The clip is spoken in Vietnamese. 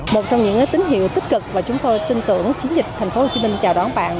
một trong những tín hiệu tích cực và chúng tôi tin tưởng chiến dịch tp hcm chào đón bạn